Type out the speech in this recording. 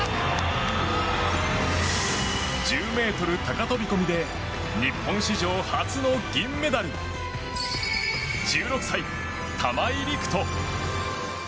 １０ｍ高飛込で日本史上初の銀メダル１６歳、玉井陸斗。